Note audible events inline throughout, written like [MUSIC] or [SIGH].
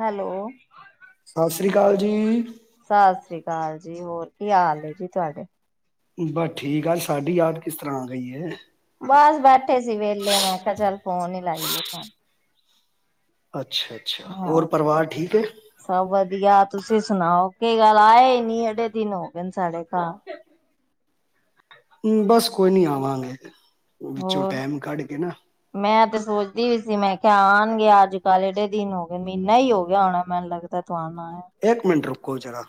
Hello. ਸਤਿ ਸ੍ਰੀ ਅਕਾਲ ਜੀ ਸਾ ਸ੍ਰੀ ਕਾਲ ਜੀ, ਹੋਰ ਕੀ ਹਾਲ ਏ ਜੀ ਤੁਹਾਡੇ? ਬਸ ਠੀਕ ਆ, ਸਾਡੀ ਯਾਦ ਕਿਸ ਤਰ੍ਹਾਂ ਆ ਗਈ ਏ। ਬਸ ਬੈਠੇ ਸੀ ਵੇਲੇ ਮੈਂ ਕਿਹਾ ਚੱਲ ਫੋਨ ਹੀ ਲਾਈਏ ਤੁਹਾਨ। ਅੱਛਾ ਅੱਛਾ, ਔਰ ਹਾਂ। ਪਰਿਵਾਰ ਠੀਕ ਏ? ਸਭ ਵਧੀਆ। ਤੁਸੀਂ ਸੁਣਾਓ? ਕੀ ਗੱਲ ਆਏ ਨੀ ਏਡੇ ਦਿਨ ਹੋ ਗਏ ਸਾਡੇ ਘਰ। ਬਸ ਕੋਈ ਨੀ ਆਵਾਂਗੇ, ਵਿੱਚੋਂ ਹੋਰ, ਟੈਮ ਕੱਢ ਕੇ ਨਾ। ਮੈਂ ਤੇ ਸੋਚਦੀ ਵੀ ਸੀ ਮੈਂ ਕਿਆ ਆਣਗੇ ਅੱਜ-ਕੱਲ੍ਹ, ਏਡੇ ਦਿਨ ਹੋ ਗਏ ਮਹੀਨਾ ਹੀ ਹੋ ਗਿਆ ਹੋਣੈ ਮੈਨੂੰ ਲੱਗਦਾ ਕਦੋਂ ਆਉਣਾ ਆ? - ਏਕ ਮਿੰਟ ਰੁਕੋ ਜ਼ਰਾ।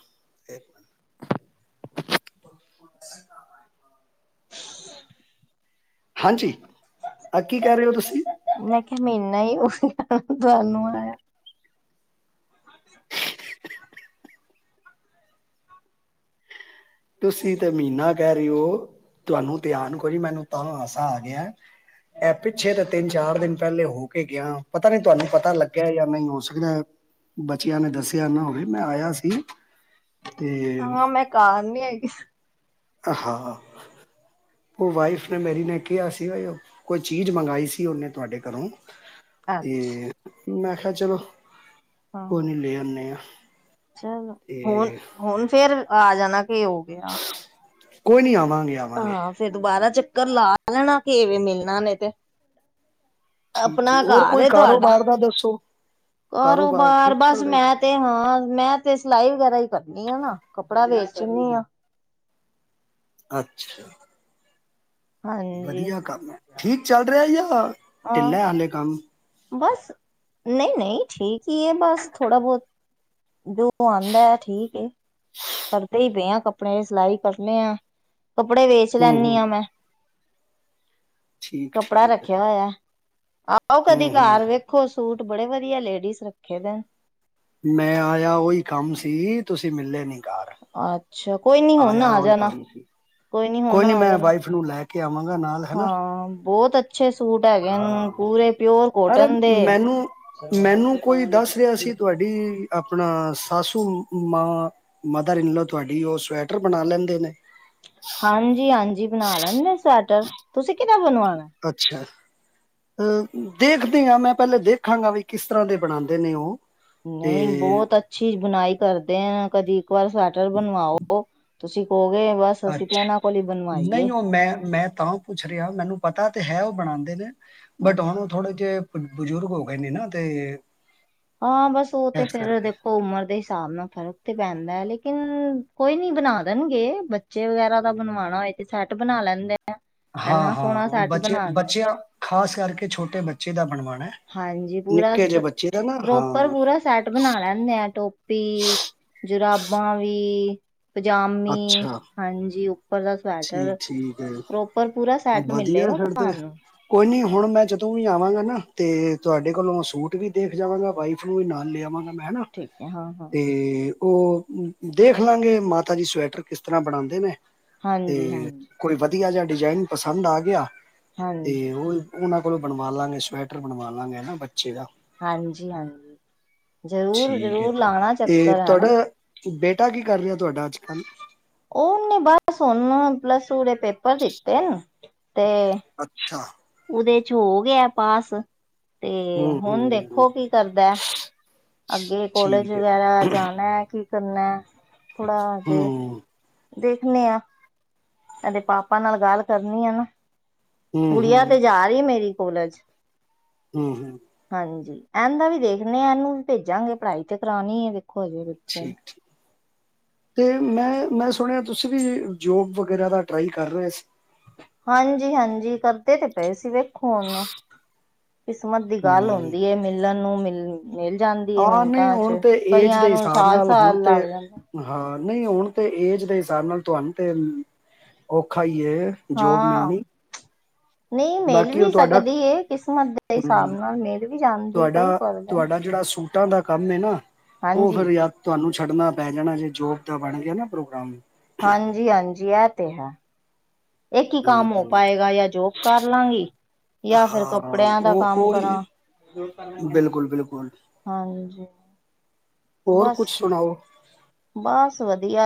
ਏਕ। [INAUDIBLE] ਹਾਂਜੀ, ਆ ਕੀ ਕੈ ਰੇ ਹੋ ਤੁਸੀਂ? ਮੈਂ ਕਿਹਾ ਮਹੀ ਈ ਹੋ ਗਿਆ ਤੁਹਾਨੂੰ ਆਇਆ ਨੂੰ। ਤੁਸੀਂ ਤੇ ਮਹੀਨਾ ਕਹਿ ਰਹੀ ਹੋ, ਤੁਹਾਨੂੰ ਧਿਆਨ ਕੋੋਈ ਜੀ ਮੈਨੂੰ ਤਾਂ ਹਾਸਾ ਆ ਗਿਆ। ਇਹ ਪਿੱਛੇ ਤਾਂ ਤਿੰਨ ਚਾਰ ਦਿਨ ਪਹਿਲੇ ਹੋ ਕੇ ਗਿਆ ਪਤਾ ਨਹੀਂੀ ਤੁਹਾਨੂੰ ਪਤਾ ਲੱਗਿਆ ਜਾਂ ਨਹੀਂ ਹੋ ਸਕਦਾ ਬੱਚਿਆਂ ਨੇ ਦੱਸਿਆ ਨਾ ਹੋਵੇ ਮੈਂ ਆਇਆ ਸੀ ਤੇ ਕਾਰ ਨੀ ਹੈਗੀ ਹਾਂ ਉਹ ਵਾਈਫ ਨੇ ਮੇਰੀ ਨੇ ਕਿਹਾ ਸੀ ਉਹ ਕੋਈ ਚੀਜ਼ ਮੰਗਵਾਈ ਸੀ ਉਹਨੇ ਤੁਹਾਡੇ ਘਰੋਂ ਤੇ ਅੱਛਾ ਮੈਂ ਕਿਹਾਿਆ ਚਲੋ ਹਾਂ। ਕੋਈ ਨੀ ਲੈ ਆਨੇ ਆ ਚਲੋ ਹੁਣ ਤੇ ਹੁਣ ਫੇਰ ਆ ਜਾਣਾ ਕਿ ਹੋ ਗਿਆ ਕੋਈ ਨੀ ਆਵਾਂਗੇ। ਆਵਾਂਗੇ ਹਾਂ ਫੇਰ ਦੁਬਾਰਾ ਚੱਕਰ ਲਾ ਲੈਣਾ ਕਿਵੇਂ ਮਿਲਣਾ ਨੇ ਤੇ ਠੀਕ ਆਪਣਾ ਠੀਕ ਹੋਰ ਕੋਈ ਘਰ ਤੁਹਾਡਾ ਕਾਰੋਬਾਰ ਦਾ ਦੱਸੋ ਕਾਰੋਬਾਰ ਠੀਕ ਬਸ ਚੱਲ ਮੈਂ ਰਿਹਾ ਤੇ ਹਾਂ ਮੈਂ ਤੇ ਸਿਲਾਈ ਵਗੈਰਾ ਹੀ ਕਰਨੀ ਆ ਨਾ ਕੱਪੜਾ ਵੇਚਦੀ ਆ। ਅੱਛਾ। ਹਾਂਜੀ ਵਧੀਆ ਕੰਮ ਹੈ, ਠੀਕ ਚੱਲ ਰਿਐ ਯਾ ਹਾਂ ਢਿੱਲਾ ਹਾਲੇ ਕੰਮ? ਬਸ ਨਹੀਂ ਨਹੀਂ ਠੀਕ ਹੀ ਏ ਬਸ ਥੋੜਾ ਬੌਤ ਜੋ ਆਂਦਾ ਠੀਕ ਏ। [INAUDIBLE] ਕਰਦੇ ਹੀ ਪਏ ਆਂ ਕੱਪੜੇਆਂ ਦੀ ਸਿਲਾਈ ਕਰਨੇ ਆ। ਕੱਪੜੇ ਵੇਚ ਸੀ ਹੂੰ ਲੈਂਣੀ ਹੂੰ ਆਂ ਮੈਂ। ਠੀਕ ਕੱਪੜਾ ਠੀਕ ਰੱਖਿਆ ਹੋਇਆ ਆਓ ਕਦੀ ਹੂੰ ਹੂੰ ਘਰ ਵੇਖ ਦੇਖੋ ਸੂਟ ਬੜੇ ਵਧੀਆ ਲੇਡੀਜ਼ ਰੱਖੇ ਦੇ ਨੇ ਮੈਂ ਆਇਆ ਉਹੀ ਕੰਮ ਸੀ ਤੁਸੀਂ ਮਿਲਲੇ ਨਹੀਂੀ ਅੱਛਾ ਕੋਈ ਨੀ ਹੁਣ ਆ ਉਹੀ ਜਾਣਾ ਕੰਮ ਸੀ ਕੋਈ ਨੀ ਹੋਣਾ ਨਹੀਂ ਆ ਮੈਂ ਜਾਣਾ ਵਾਈਫ ਨੂੰ ਲੈ ਕੇ ਆਵਾਂਗਾ ਨਾਲ ਹੈ ਨਾ ਹਾਂ ਬਹੁਤ ਅ ਅੱਛੇ ਸੂਟ ਹੈਗੇ ਹਾਂ ਪੂਰੇ ਪਿਓਰ ਅਰੇ ਕੋਟਨ ਦੇ ਮੈਨੂੰ ਮੈਨੂੰ ਕੋਈ ਦੱਸ ਰਿਹਾ ਸੀ ਤੁਹਾਡੀ ਆਪਣਾ ਸਾਸੂ ਮਾਂ ਮਦਰ ਇਨ ਲਾ ਤੁਹਾਡੀ ਉਹ ਸਵੈਟਰ ਬਣਾ ਲੈਂਦੇ ਨੇ ਹਾਂਜੀ ਹਾਂਜੀ ਬਣਾ ਲੈਂਦੇ ਸਵੈਟਰ ਤੁਸੀਂ ਕਿਹਦਾ ਬਣਵਾਣਾ ਅੱਛਾ ਅ ਦੇਖਦੇ ਹਾਂ ਮੈਂ ਪਹਿਲੇ ਦੇਖਾਂਗਾ ਵੀ ਕਿਸ ਤਰ੍ਹਾਂ ਦੇ ਬਣਾਉਂਦੇ ਨੇ ਉਹ ਨਹੀਂ ਤੇ ਬਹੁਤ ਅੱ ਅੱਛੀ ਬੁਣਾਈ ਕਰਦੇ ਹਨ ਕਦੀ ਇੱਕ ਵਾਰ ਸਵੈਟਰ ਬਣਵਾਓ ਤੁਸੀਂ ਕਹੋਗੇ ਬਸ ਅਸੀਂ ਤੇ ਅੱਛਾ ਇਹਨਾਂ ਕੋਲ ਹੀ ਬਣਵਾਈਏ ਨਹੀਂ ਉਹ ਮੈਂ ਮੈਂ ਤਾਂ ਪੁੱਛ ਰਿਹਾ ਮੈਨੂੰ ਪਤਾ ਤੇ ਹੈ ਉਹ ਬਣਾਉਂਦੇ ਨੇ ਬਟ ਅੱਛਾ ਹੁਣ ਥੋੜੇ ਜਿਹੇ ਬਜ਼ੁਰਗ ਹੋ ਗਏ ਨੇ ਨਾ ਤੇ ਹਾਂ ਬਸ ਉਹ ਤੇ ਇਸ ਫੇਰ ਕਰਕੇ ਦੇਖੋ ਉਮਰ ਦੇ ਹਿਸਾਬ ਨਾਲ ਫਰਕ ਤੇ ਪੈਂਦਾ ਹੈ ਲੇਕਿਨ ਕੋਈ ਨੀ ਬਣਾ ਦੇਣਗੇ ਬੱਚੇ ਵਗੈਰਾ ਦਾ ਬਣਵਾਉਣਾਏ ਸੈੱਟ ਬਣਾ ਲੈਂਦੇ ਆ ਹਾਂ ਹਾਂ ਬੱਚੇ ਬੱਚਿਆਂ ਖਾਸ ਕਰਕੇ ਛੋਟੇ ਬੱਚੇ ਦਾ ਬਣਵਾਉਣਾ ਹਾਂਜੀ ਪੂਰਾ ਨਿੱਕੇ ਜਿਹੇ ਬੱਚੇ ਦਾ ਨਾ ਪ੍ਰੋਪਰ ਹਾਂ ਪੂਰਾ ਸੈਟ ਬਣਾ ਲੈਂਦੇ ਆ ਟੋਪੀ ਜੁਰਾਬਾਂ ਵੀ ਪਜਾਮੀ ਅੱਛਾ ਹਾਂਜੀ ਉੱਪਰ ਦਾ ਠੀਕ ਠੀਕ ਹੈ ਜ ਪਰ ਪੂਰਾ ਸੈੱਟ ਮਿਲੇਗਾ ਤੁਹਾਨੂੰ ਕੋਈ ਨਹੀਂ ਹੁਣ ਮੈਂ ਜਦੋਂ ਵੀ ਆਵਾਂਗਾ ਨਾ ਤੇ ਤੁਹਾਡੇ ਕੋਲੋਂ ਸੂਟ ਵੀ ਦੇਖ ਜਾਵਾਂਗਾ ਵਾਈਫ ਨੂੰ ਵੀ ਨਾਲ ਲੈ ਆਵਾਂਗਾ ਮੈ ਨਾ ਠੀਕ ਹੈ ਹਾਂ ਹਾਂ ਇਹ ਉਹ ਦੇਖ ਲਾਂਗੇ ਮਾਤਾ ਜੀ ਸਵੈਟਰ ਕਿਸ ਤਰ੍ਹਾਂ ਬਣਾਉਂਦੇ ਨੇ ਤੇ ਹਾਂਜੀ ਹਾਂਜੀ ਕੋਈ ਵਧੀਆ ਜਿਹਾ ਡਿਜ਼ਾਇਨ ਪਸੰਦ ਆ ਗਿਆ ਅਤੇ ਹਾਂਜੀ ਉਹ ਉਹਨਾਂ ਕੋਲੋਂ ਬਣਵਾ ਲਾਂਗੇ ਸਵੈਟਰ ਬਣਵਾ ਲਾਂਗੇ ਹਨਾ ਬੱਚੇ ਦਾ ਹਾਂਜੀ ਹਾਂਜੀ ਜ਼ਰੂਰ ਠੀਕ ਹੈ ਜ਼ਰੂਰ ਲਾਉਣਾ ਤੇ ਚੱਕਰ ਤੁਹਾਡਾ ਹੈਨਾ ਬੇਟਾ ਕੀ ਕਰ ਰਿਹਾ ਤੁਹਾਡਾ ਅੱਜ ਕੱਲ੍ਹ ਉਹ ਨ ਬਸ ਹੁਣ ਪਲੱਸ ਟੂ ਦੇ ਪੇਪਰ ਦਿੱਤੇ ਨੇ ਤੇ ਅੱਛਾ ਉਹਦੇ ਚ ਹੋ ਗਿਆ ਪਾਸ ਤੇ ਹੂੰ ਹੁਣ ਹੂੰ ਦੇਖੋ ਕੀ ਕਰਦਾ ਅੱਗੇ ਕੋਲੇਜ ਠੀਕ ਹੈ ਵਗੈਰਾ ਜਾਣਾ ਕੀ ਕਰਨਾ ਥੋੜਾ ਜੇ, ਹੂੰ ਦੇਖਣੇ ਹਾਂ। ਇਹਦੇ ਪਾਪਾ ਨਾਲ ਗੱਲ ਕਰਨੀ ਆ ਨਾ, ਹੂੰ ਗੁੜੀਆਂ ਹੂੰ ਤੇ ਜਾ ਰਹੀ ਮੇਰੀ ਕਾਲਜ। ਹੂੰ-ਹੂੰ, ਹਾਂਜੀ ਇਹਨ ਦਾ ਵੀ ਦੇਖਣੇ, ਇਹਨੂੰ ਵੀ ਭੇਜਾਂਗੇ ਪੜ੍ਹਾਈ ਤੇ ਕਰਾਉਣੀ ਹੈ ਦੇਖੋ ਹਜੇ। ਬੱਚੇ ਨੂੰ ਠੀਕ ਠੀਕ, ਤੇ ਮੈਂ ਮੈਂ ਸੁਣਿਆ ਤੁਸੀਂ ਵੀ ਜੋਬ ਵਗੈਰਾ ਦਾ ਟਰਾਈ ਕਰ ਰਹੇ ਸੀ। ਹਾਂਜੀ ਹਾਂਜੀ, ਕਰਦੇ ਤੇ ਪਏ ਸੀ ਵੇਖੋ ਹੁਣ। ਕਿਸਮਤ ਦੀ ਗੱਲ ਹੂੰ ਹੁੰਦੀ ਹੈ ਮਿਲਣ ਨੂੰ ਮਿਲ ਮਿਲ ਜਾਂਦੀ, ਹਾਂ ਨਹੀਂ ਮਿੰਟਾਂ ਹੁਣ ਚ ਤੇ ਏਜ ਕਈਆਂ ਦੇ ਨੂੰ ਹਿਸਾਬ ਸਾਲ ਨਾਲ ਹੁਣ ਸਾਲ ਲੱਗ ਤੇ ਜਾਂਦਾ। ਹਾਂ ਨਹੀਂ ਹੁਣ ਤੇ ਏਜ ਦੇ ਹਿਸਾਬ ਨਾਲ ਤੁਹਾਨੂੰ ਤੇ ਔਖਾ ਹੀ ਜੋਬ ਹਾਂ ਮਿਲਣੀ, ਨਹੀਂ ਮਿਲ ਬਾਕੀ ਉਹ ਵੀ ਤੁਹਾਡਾ ਸਕਦੀ ਹੈ, ਕਿਸਮਤ ਦੇ ਹਿਸਾਬ ਹੂੰ ਨਾਲ ਮਿਲ ਵੀ ਜਾਂਦੀ ਹੈ ਕਈ ਕਰਦੇ ਨੇ ਆ ਜਿਹੜਾ ਸੂਟ ਸੂਟਾਂ ਦਾ ਕੰਮ ਨਾ ਉਹ ਹਾਂਜੀ ਫਿਰ ਯਾਰ ਤੁਹਾਨੂੰ ਛੱਡਣਾ ਪੈ ਜਾਣਾ ਜੇ ਜੋਬ ਦਾ ਬਣ ਗਿਆ ਨਾ ਪ੍ਰੋਗਰਾਮ, ਹਾਂਜੀ-ਹਾਂਜੀ ਇਹ ਤੇ ਹੈ। ਇਕ ਹੀ ਹੂੰ ਕੰਮ ਹੋ ਹੂੰ ਪਾਏਗਾ, ਜਾ ਜੋਬ ਕਰ ਲਵਾਂਗੀ। ਜਾਂ ਫਿਰ ਹਾਂ ਕੱਪੜਿਆਂ ਦਾ ਉਹ ਕੰਮ ਉਹੀ ਕਰਾਂ। ਬਿਲਕੁਲ ਬਿਲਕੁਲ ਹਾਂਜੀ, ਹੋਰ ਬਸ ਕੁਛ ਸੁਣਾਓ? ਬਸ ਵਧੀਆ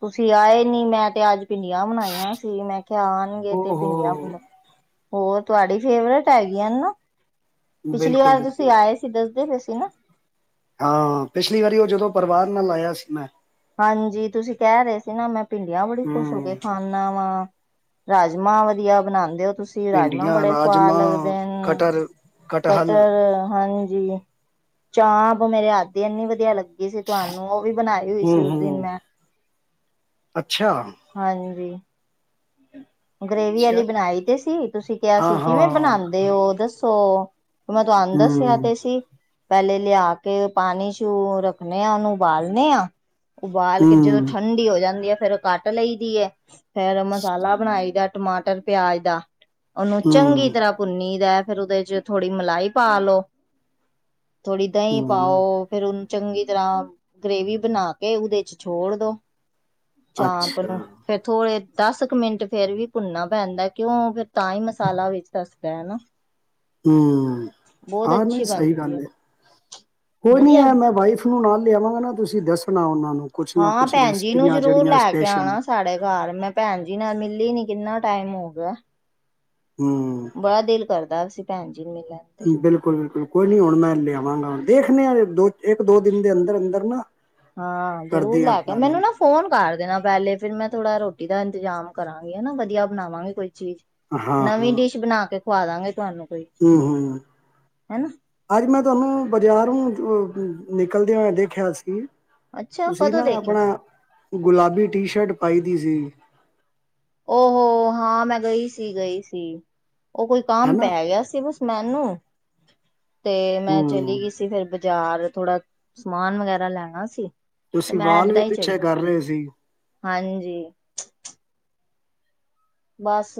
ਤੁਸੀਂ ਆਏ ਨੀ ਮੈਂ ਤੇ ਅੱਜ, ਭਿੰਡੀਆਂ ਬਣਾਈਆਂ ਸੀ, ਮੈਂ ਕਿਹਾ ਆਣਗੇ ਓ ਤੇ ਭਿੰਡੀਆਂ। ਹੋ ਹੋਰ ਤੁਹਾਡੀ ਫੇਵਰੇਟ ਹੈਗੀ ਨਾ, ਪਿਛਲੀ ਬਿਲਕੁਲ ਵਾਰ ਤੁਸੀਂ ਬਿਲਕੁਲ ਆਏ। ਦੱਸਦੇ ਰਹੇ ਸੀ ਨਾ, ਹਾਂ ਪਿਛਲੀ ਵਾਰੀ ਉਹ ਜਦੋਂ ਪਰਿਵਾਰ ਨਾਲ ਆਇਆ ਸੀ ਮੈਂ, ਹਾਂਜੀ ਤੁਸੀਂ ਕਹਿ ਰਹੇ ਸੀ, ਨਾ ਮੈਂ ਭਿੰਡੀਆਂ ਬੜੀ ਖੁਸ਼ ਹੋ ਕੇ ਹੂੰ ਖਾਣ ਖਾਦਾਂ ਰਾਜਮਾਂ ਵਧੀਆ ਬਣਾਦੇ ਹੋ ਤੁਸੀਂ, ਅ ਰਾਜਮਾਂ ਭਿੰਡੀਆਂ ਬੜੇ ਸਵਾਦ ਰਾਜਮਾਂ ਲੱਗਦੇ ਨੇ ਕਟਰ ਕਟਹਲ ਹਾਂਜੀ, ਚਾਂਪ ਮੇਰੇ ਹੱਥ ਦੀ ਇੰਨੀ ਵਧੀਆ ਲੱਗਦੀ ਸੀ ਤੁਹਾਨੂੰ, ਉਹ ਵੀ ਬਣਾਈ ਹੋਈ ਸੀ। ਹੂੰ ਹੂੰ [INAUDIBLE] ਅੱਛਾ, ਹਾਂਜੀ, ਗ੍ਰੇਵੀ ਅੱਛਾ ਵਾਲੀ ਬਣਾਈ ਤੇ ਸੀ ਤੁਸੀਂ ਕਿਹਾ ਹਾਂ ਸੀ ਕਿਵੇਂ ਹਾਂ ਬਣਾਉਂਦੇ ਹੋ ਦੱਸੋ। ਮੈਂ ਤੁਹਾਨੂੰ ਦੱਸਿਆ ਹੂੰ ਤੇ ਸੀ। ਪਹਿਲੇ ਲਿਆ ਕੇ ਪਾਣੀ ਚ ਰੱਖਣੇ ਆ, ਉਹਨੂੰ ਉਬਾਲਣੇ ਆ। ਉਬਾਲ ਕੇ ਜਦੋਂ ਹੂੰ ਠੰਡੀ ਹੋ ਜਾਂਦੀ ਹੈ, ਫੇਰ ਉਹ ਕੱਟ ਲਈ ਦੀ ਹੈ ਫੇਰ ਮਸਾਲਾ ਬਣਾਈ ਦਾ ਟਮਾਟਰ, ਪਿਆਜ ਦਾ, ਉਹਨੂੰ ਚੰਗੀ ਹੂੰ ਤਰ੍ਹਾਂ ਭੁੰਨੀ ਦਾ ਫੇਰ ਉਹਦੇ ਚ ਥੋੜ੍ਹੀ ਮਲਾਈ ਪਾਲੋੋ। ਥੋੜ੍ਹੀ ਦਹੀਂ ਹੂੰ ਪਾਓ ਫਿਰ, ਚੰਗੀ ਤਰ੍ਹਾਂ ਗਰੇੇਵੀ ਬਣਾ ਕੇ ਉਹਦੇ ਚ ਛੋੜ ਦੋ, ਚਾਂਪ ਅੱਛਾ ਨੂੰ ਫੇਰ ਥੋੜੇ ਦੱਸ, ਇੱਕ ਮਿੰਟ ਫੇਰ ਵੀ ਭੁੰਨਨਾ ਪੈਂਦਾ ਕਿਉਂ ਫਿਰ ਤਾਂ ਹੀ ਮਸਾਲਾ ਵਿੱਚ ਦੱਸਦਾ ਹੈ। ਹੂੰ, ਬਹੁਤ ਆਹ ਅੱਛੀ ਨਹੀਂ ਸਹੀ ਬਣਦੀ ਹੈ ਗੱਲ ਕੋਈ ਨੀ ਵਧੀਆ ਆ, ਮੈਂ ਵਾਈਫ- ਉਸ ਨੂੰ ਨਾਲ ਲਿਆਵਾਂਗੇ, ਨਾ ਤੁਸੀਂ ਦੱਸਣਾ ਉਹਨਾਂ ਨੂੰ ਕੁਛ ਨਾ ਹਾਂ ਕੁਛ ਭੈਣ ਜੀ ਨੂੰ ਰੈਸਪੀਆਂ ਜਰੂਰ ਜਿਹੜੀਆਂ ਲੈ ਕੇ ਸਪੈਸ਼ਲ ਆਉਣਾ ਸਾਡੇ ਘਰ ਮੈਂ, ਭੈਣ ਜੀ ਨਾਲ ਮਿਲੀ ਨੀ ਕਿੰਨਾ ਟਾਈਮ ਹੋ ਗਿਆ। ਹੂੰ, ਬੜਾ ਦਿਲ ਕਰਦਾ ਸੀ ਭੈਣ ਜੀ ਮਿਲਣ ਤੇ ਬਿਲਕੁਲ -ਬਿਲਕੁਲ ਕੋਈ ਨੀ ਹੁਣ ਮੈਂ ਲਿਆਵਾਂਗਾ, ਦੇਖਣੇ ਹਾਂ ਦੋ ਇੱਕ ਦੋ ਦਿਨ ਦੇ ਅੰਦਰ- ਅੰਦਰ ਨਾ ਹਾਂ ਜ਼ਰੂਰ ਕਰਦੀ ਹ ਲੈ ਕੇ ਮੈਨੂੰ ਪਲਾਨਿੰਗ ਨਾ ਫੋਨ ਕਰ ਦੇਣਾ, ਪਹਿਲੇ ਫੇਰ ਮੈਂ ਥੋੜਾ ਰੋਟੀ ਦਾ ਇੰਤਜ਼ਾਮ ਕਰਾਂਗੀ ਹਨਾ ਵਧੀਆ ਬਣਾਵਾਂਗੀ ਕੋਈ ਚੀਜ਼। ਹਾਂ ਨਵੀਂ ਡਿਸ਼ ਬਣਾ ਕੇ ਖਵਾ ਦਾਂਗੇ, ਤੁਹਾਨੂੰ ਕੋਈ ਹੂੰ-ਹੂੰ, ਹਨਾ ਅੱਜ ਮੈਂ ਤੁਹਾਨੂੰ ਬਜ਼ਾਰੋਂ ਨਿਕਲਦੇ ਹੋਏ ਦੇਖਿਆ ਸੀ। ਅੱਛਾ ਤੁਸੀਂ ਕਦੋਂ ਨਾ ਦੇਖਿਆ ਆਪਣਾ ਸੀ? ਗੁਲਾਬੀ ਟੀ ਸ਼ਰਟ ਪਾਈ ਦੀ ਸੀ ਉਹ ਹਾਂ ਮੈਂ ਗਈ ਸੀ, ਗਈ ਸੀ ਉਹ ਕੋਈ ਕੰਮ ਹੈਨਾ ਪੈ ਗਿਆ ਸੀ ਬ ਮੈਨੂੰ ਤੇ ਮੈਂ ਹੂੰ ਚਲੀ ਗਈ ਸੀ ਫਿਰ ਬਾਜ਼ਾਰ ਥੋੜਾ ਸਮਾਨ ਵਗੈਰਾ ਲੈਣਾ ਸੀ ਤੇ ਤੁਸੀਂ ਮੈਂ ਵਾਲ ਵੀ ਏਦਾਂ ਹੀ ਪਿੱਛੇ ਚਲੀ ਕਰ ਰਹੇ ਸੀ। ਹਾਂਜੀ, ਬਸ,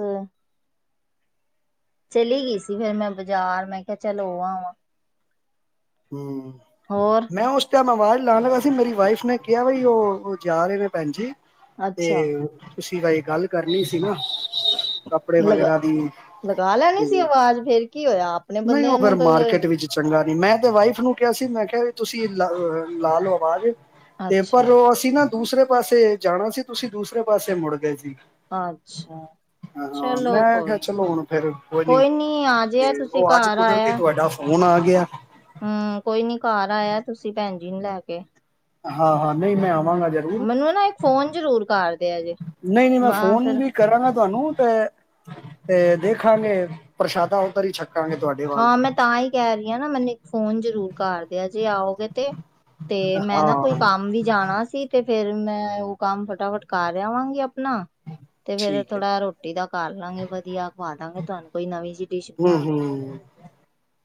ਚਲੀ ਗਈ ਸੀ ਫੇਰ ਮੈਂ ਬਾਜ਼ਾਰ ਮੈਂ ਕਿਹਾ ਚੱਲ ਉਹ ਆਵਾਂ, ਹਮ ਹੋਰ ਮੈਂ ਉਸ ਟਾਈਮ ਆਵਾਜ ਲਾਣ ਲੱਗਾ ਸੀ, ਮੇਰੀ ਵਾਈਫ ਨੇ ਕਿਹਾ ਬਈ ਉਹ ਜਾ ਰਹੇ ਨੇ ਭੈਣ ਜੀ। ਅੱਛਾ ਤੇ ਤੁਸੀਂ ਵਾਈ ਗੱਲ ਕਰਨੀ ਸੀ ਨਾ, [UNINTELLIGIBLE] ਕੱਪੜੇ ਲਗਾ ਵਗੈਰਾ ਦੀ ਲਗਾ ਲੈਣੀ ਸੀ, ਤੇ ਆਵਾਜ਼ ਫੇਰ ਕੀ ਹੋਇਆ, ਆਪਣੇ ਨਹੀਂ ਬੰਦਿਆਂ ਉਹ ਫਿਰ ਨੂੰ ਤਾਂ ਮਾਰਕੀਟ ਵਿੱਚ ਚੰਗਾ ਨੀ ਮੈਂ ਤੇ ਵਾਈਫ ਨੂੰ ਕਿਹਾ ਸੀ, ਮੈਂ ਕਿਹਾ ਵੀ ਤੁਸੀਂ ਲਾ ਲਓ ਆਵਾਜ਼ ਤੇ ਅੱਛਾ ਪਰ ਉਹ ਅਸੀਂ ਨਾ ਦੂਸਰੇ ਪਾਸੇ ਜਾਣਾ ਸੀ, ਤੁਸੀਂ ਦੂਸਰੇ ਪਾਸੇ ਮੁੜ ਗਏ ਸੀ। ਅੱਛਾ, ਹਾਂ ਚਲੋ ਮੈਂ ਕਿਹਾ ਕੋਈ ਨੀ ਚਲੋ, ਹੁਣ ਫੇਰ ਕੋਈ ਨੀ ਆ ਜਾਇਆ ਤੇ ਤੁਸੀਂ ਉਹ ਅੱਜ ਘਰ ਕੁਦਰਤੀ ਤੁਹਾਡਾ ਹੁਣ ਆ ਗਿਆ। ਹੂੰ ਕੋਈ ਨੀ ਘਰ ਆਇਆ, ਤੁਸੀਂ ਭੈਣ ਜੀ ਨੂੰ ਲੈ ਕੇ, ਹਾਂ ਹਾਂ ਨਹੀਂ ਮੈਂ ਆਵਾਂਗਾ ਹੂੰ, ਜ਼ਰੂਰ ਮੈਨੂੰ ਨਾ ਇੱਕ ਫੋਨ ਜ਼ਰੂਰ ਕਰਦੇ ਆ ਜੇ, ਨਹੀਂ-ਨਹੀਂ ਮੈਂ ਫੋਨ ਵੀ, ਕਰਾਂਗਾ ਤੁਹਾਨੂੰ ਤੇ ਤੇ ਦੇਖਾਂਗੇ, ਪ੍ਰਸ਼ਾਦਾ ਘਰ ਹੀ ਛ ਹਾਂ ਮੈਂ ਤਾਂ ਹੀ ਕਹਿ ਰਹੀ, ਹਾਂ ਨਾ ਮੈਨੂੰ ਇੱਕ ਫੋਨ ਜ਼ਰੂਰ ਕਰਦੇ, ਆ ਜੇ ਆਓਗੇ ਤੇ। ਤੇ ਮੈਂ ਨਾ ਕੋਈ ਹਾਂ ਕੰਮ ਵੀ ਜਾਣਾ ਸੀ। ਤੇ ਫੇਰ ਮੈਂ ਉਹ ਕੰਮ ਫਟਾਫਟ ਕਰ ਰਿਹਾ ਵਾਂਗੀ ਆਪਣਾ, ਤੇ ਫੇਰ ਠੀਕ ਹੈ ਥੋੜਾ ਰੋਟੀ ਦਾ ਕਰ ਲਾਂਗੇ, ਵਧੀਆ ਖਵਾ ਦਾਂਗੇ, ਤੁਹਾਨੂੰ ਕੋਈ ਨਵੀਂ ਜਿਹੀ ਡਿਸ਼ ਹੂੰ ਬਣਾ ਕੇ। ਹੂੰ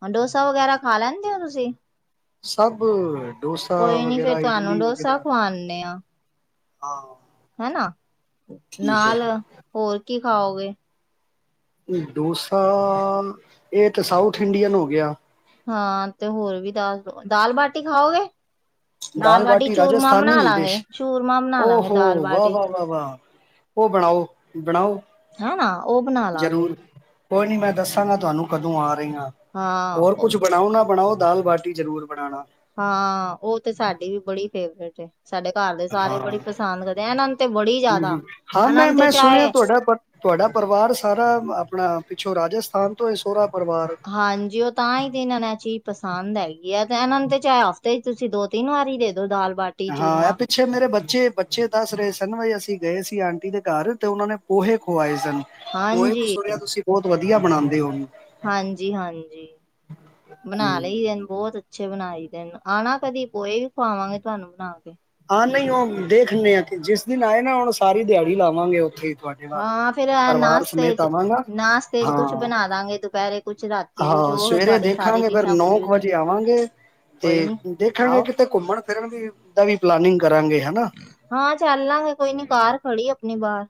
ਹੁਣ ਡੋਸਾ ਵਗੈਰਾ ਖਾ ਲੈਂਦੇ ਹੋ ਤੁਸੀਂ? ਸਭ ਡੋਸਾ ਕੋਈ ਨੀ ਫੇਰ ਵਗੈਰਾ ਤੁਹਾਨੂੰ ਇਡਲੀ ਡੋਸਾ ਵਗੈਰਾ ਖਵਾਦੇ ਆ। ਹਾਂ, ਹਨਾ, ਠੀਕ ਨਾਲ ਹੋਰ ਕੀ ਖਾਓਗੇ। ਡੂਸਾ ਇਹ ਤੇ ਸਾਊਥ ਇੰਡੀਅਨ ਹੋ ਗਿਆ। ਹਾਂ ਤੇ ਹੋਰ ਵੀ ਦੱਸ ਦਾਲ ਬਾਟੀ ਖਾਓਗੇ? ਦਾਲ ਬਾਟੀ ਚੂਰਮਾ ਬਣਾ ਲਾਂਗੇ, ਚੂਰਮਾ ਬਣਾ ਲਾਂਗੇ ਓਹੋ ਦਾਲ ਵਾਹ ਬਾਟੀ। ਵਾਹ ਉਹ ਬਣਾਓ-ਬਣਾਓ ਹਨਾ ਉਹ ਬਣਾ ਲਾਂਗੇ ਜ਼ਰੂਰ ਕੋਈ ਨੀ ਮੈਂ ਦੱਸਾਂਗਾ ਤੁਹਾਨੂੰ ਕਦੋਂ ਆ, ਰਹੀ ਹਾਂ ਹਾਂ ਹੋਰ ਉਹ ਕੁੱਛ ਬਣਾਓ ਨਾ ਬਣਾਓ, ਦਾਲ ਬਾਟੀ ਜਰੂਰ ਬਣਾਉਣਾ। ਹਾਂ ਉਹ ਤੇ ਸਾਡੀ ਵੀ ਬੜੀ ਫੇਵਰੇਟ ਹੈ। ਸਾਡੇ ਘਰ ਦੇ ਹਾਂ ਸਾਰੇ ਬੜੀ ਹਮ ਪਸੰਦ ਕਰਦੇ, ਐਨਾ ਨੁੰ ਤੇ ਬੜੀ ਜ਼ਿਆਦਾ ਹਮ ਹਾਂ ਐਨਾ ਮੈਂ ਨੁੰ ਤਾ ਮੈਂ ਸੁਣਿਆ ਚਾਹੇ, ਤੁਹਾਡਾ ਪਰ ਤੁਹਾਡਾ ਪਰਿਵਾਰ ਸਾਰਾ ਆਪਣਾ ਪਿੱਛੋਂ ਰਾਜਸਥਾਨ ਤੋਂ ਸੋਹਰਾ ਪਰਿਵਾਰ ਹਾਂਜੀ ਉਹ ਤਾਂ ਹੀ ਤੇ ਇਹਨਾਂ ਨੇ ਇਹ ਚੀਜ਼ ਪਸੰਦ ਹੈਗੀ ਆ, ਤੇ ਇਹਨਾਂ ਨੂੰ ਤੇ ਚਾਹੇ ਹਫ਼ਤੇ ਚ ਤੁਸੀਂ ਦੋ ਤਿੰਨ ਵਾਰੀ ਦੇ ਦੋ ਦਾਲ-ਬਾਟ, ਹਾਂ, ਪਿੱਛੇ ਮੇਰੇ ਬੱਚੇ-ਬੱਚੇ ਦੱਸ ਰਹੇ ਸਨ, ਅਸੀਂ ਗਏ ਸੀ ਆਂਟੀ ਦੇ ਘਰ ਤੇ ਉਹਨਾਂ ਨੇ ਪੋਹੇ ਖੁਵਾਏ ਸਨ। ਪੋਏ ਵੀ ਹਾਂਜੀ ਸੁਣਿਆ ਤੁਸੀਂ ਬੋਤ ਵਦੀਆ ਬਣਾਂਦੇ ਓ। ਹਾਂਜੀ, ਹਾਂਜੀ ਬਣਾ ਲਈ ਏ ਬੋਤ ਅੱਛੇ ਬਣਾਈ ਦਾਏ, ਆਣਾ ਕਦੀ ਪੋਏ ਵੀ ਖਵਾਵਾਂ ਗੇ ਤੁਆਨੂੰ ਬਣਾ ਕੇ। ਹਾਂ ਨਈ ਓ ਦੇਖਨੇ ਆ, ਕਿ ਜਿਸ ਦਿਨ ਆਏ ਨਾ ਹੁਣ ਸਾਰੀ ਦਿਹਾੜੀ ਲਾਵਾਂਗੇ ਓਥੇ ਇੱਕ ਵਾਰ। ਹਾਂ, ਫੇਰ ਐ ਨਾਸਤੇ ਚ ਨਾਸਤੇ ਚ, ਕੁਛ ਹਾਂ ਬਨਾਂ ਦਾਂਗੇ ਦੁਪਹਿਰੇ ਕੁਛ ਰਾਤੀ ਕੁਛ ਹਾਂ, ਉਹ ਫੇਰ ਸਵੇਰੇ ਤੁਹਾਡੀ ਸਾਰੀ ਦੇਖਾਂਗੇ ਫੇਰ ਡਿਸ਼ਾਂ ਨੌ ਪੂਰੀ ਹੋ ਕ ਜਾਣ ਵਜੇ ਆਵਾਂਗੇ ਕੋਈ ਤੇ, ਨੀ ਦੇਖਾਂਗੇ ਆਓ ਕਿ ਤੇ ਘੁੰਮਣ ਫਿਰਨ ਦੀ, ਦਾ ਵੀ ਪਲਾਨਿੰਗ ਕਰਾਂਗੇ ਹਨਾ। ਹਾਂ, ਚਾਲਾ ਲਾਂਗੇ ਕੋਈ ਨੀ ਕਾਰ ਖੜੀ ਅਪਨੀ ਬ੍ਹਾਰ।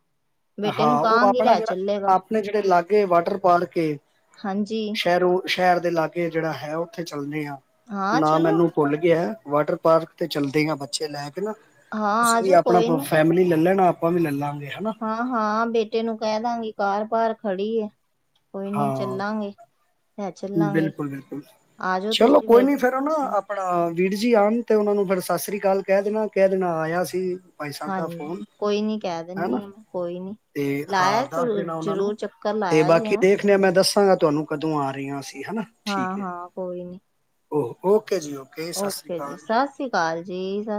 ਹਾਂ, ਓ ਆਪਣਾ ਜੇੜਾ, ਆਪਣੇ ਜੇੜੇ ਲਾਗੇ ਵਾਟਰ ਪਾਰਕ ਏ ਹਾਂਜੀ। ਸ਼ਰ ਸ਼ਹਿਰ ਦੇ ਲਾਗੇ ਜਿਹੜਾ ਹੈ, ਉੱਥੇ ਚੱਲਣੇ ਆ ਹਾਂ ਨਾ ਚਲੋ ਮੈਨੂੰ ਖੁੱਲ ਗਿਆ ਨਾ ਵਾਟਰ ਪਾਰਕ ਤੇ ਚੱਲਦੇ ਆ, ਬੱਚੇ ਲੈ ਕੇ ਨਾ, ਹਾਂ ਤੁਸੀਂ ਵੀ ਆਜੋ ਆਪਣਾ ਕੋਈ ਨੀ ਫੈਮਿਲੀ ਲੈ ਲੈਣਾ ਆਪਾਂ ਵੀ ਲੈ ਲਾਂਗੇ ਹਨਾ। ਹਾਂ, ਹਾਂ ਬੇਟੇ ਨੂੰ ਕੈ ਦਾਂਗੀ ਕਾਰ ਬਾਹਰ ਖੜੀ ਏ। ਕੋਈ ਨੀ ਹਾਂ। ਚੱਲਾਂਗੇ। ਲੈ ਚੱਲਾਂਗੇ ਬਿਲਕੁਲ, ਬਿਲਕੁਲ ਆ ਜਾਓ ਚਲੋ ਤੁਸੀਂ ਕੋਈ ਫਿਰ ਨੀ ਫੇਰ ਓਨਾ ਆਪਾ ਆਂ, ਵੀਰ ਜੀ, ਆਣ ਤੇ ਓਨਾਂ ਨੂੰ ਫੇਰ ਸਤਿ ਸ੍ਰੀ ਅਕਾਲ ਕਹਿ ਦੇਨਾ, ਕਹਿ ਦੇਨਾ ਆਇਆ ਸੀ। ਭਾਈ ਸਾਹਿਬ ਦਾ ਹਾਂਜੀ, ਫੋਨ ਕੋਈ ਨੀ ਕਹਿ ਦਿੰਨੀ ਹਨਾ ਆ ਮੈਂ, ਕੋਈ ਨੀ। ਤੇ ਹਾਂ ਲਾਇਆ ਤੂੰ ਦੱਸ ਦੇਨਾ ਓਨਾਂ ਨੂੰ, ਜ਼ਰੂਰ ਚੱਕਰ ਤੇ ਲਾਇਆ ਜੇ ਬਾਕੀ ਹੈਂ ਦੇਖ ਯਾ ਮੈਂ ਦੱਸਾਂਗਾ ਤੁਹਾਨੂੰ ਕਦੋਂ ਆ ਰਹੇ ਆਂ ਅਸੀ ਹਨਾ। ਹਾਂ, ਠੀਕ ਹੈ। ਹਾਂ ਕੋਈ ਨੀ। ਓ, ਓਕੇ ਜੀ ਓਕੇ। ਸਤਿ ਸ਼੍ਰੀ ਓਕੇ ਜੀ, ਅਕਾਲ। ਸਤਿ ਸ੍ਰੀ ਅਕਾਲ ਜੀ ਸਸ